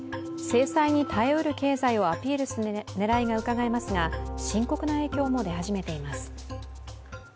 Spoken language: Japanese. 制裁に耐えうる経済をアピールする狙いがうかがえますが深刻な影響も出始めています。